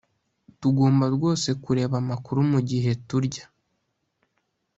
tugomba rwose kureba amakuru mugihe turya?